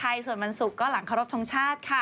เป็นหน้าประเทศไทยส่วนมันสุขก็หลังเคารพทรงชาติค่ะ